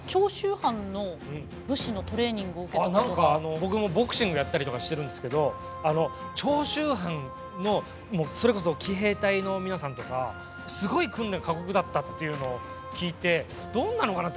山本さんなんか僕もボクシングやったりとかしてるんですけどあの長州藩のもうそれこそ奇兵隊の皆さんとかすごい訓練過酷だったっていうのを聞いてどんなのかなっていろいろ調べてたんですよ。